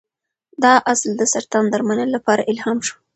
دا اصل د سرطان درملنې لپاره الهام شو.